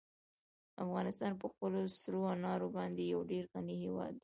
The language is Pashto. افغانستان په خپلو سرو انارو باندې یو ډېر غني هېواد دی.